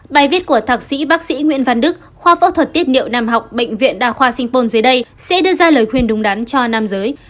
bài viết của thạc sĩ bác sĩ nguyễn văn đức khoa phẫu thuật tiết niệu nam học bệnh viện đà khoa stpon dưới đây sẽ đưa ra lời khuyên đúng đắn cho nam giới